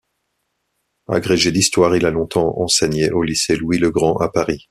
Agrégé d'histoire, il a longtemps enseigné au lycée Louis-le-Grand à Paris.